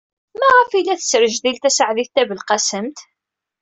Maɣef ay la tesrejdil Taseɛdit Tabelqasemt?